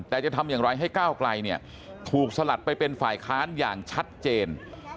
แต่จะทำอย่างไรให้ก้าวไกลเนี่ยถูกสลัดไปเป็นฝ่ายค้านอย่างชัดเจน